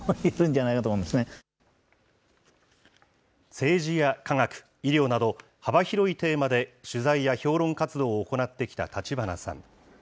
政治や科学、医療など、幅広いテーマで取材や評論活動を行ってきた立花さん。